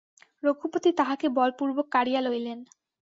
রঘুপতি তাহাকে বলপূর্বক কাড়িয়া লইলেন।